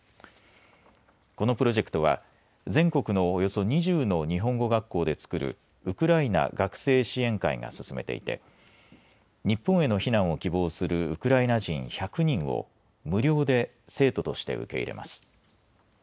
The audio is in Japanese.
このプロジェクトは全国のおよそ２０の日本語学校で作るウクライナ学生支援会が進めていて日本への避難を希望するウクライナ人１００人を無料で生徒として受け入れます。